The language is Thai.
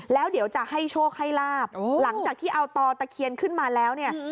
แล้วเดี๋ยวจะให้โชคให้ลาบหลังจากที่เอาต่อตะเคียนขึ้นมาแล้วเนี่ย